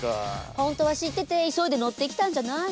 本当は知ってて急いで乗ってきたんじゃないの？